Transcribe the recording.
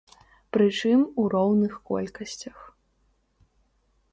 Прычым у роўных колькасцях.